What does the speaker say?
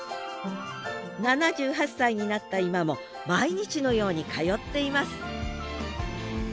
７８歳になった今も毎日のように通っています